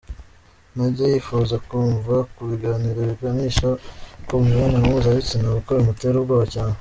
Ntajya yifuza kumva ku biganiro biganisha ku mibonano mpuzabitsina kuko bimutera ubwoba cyane.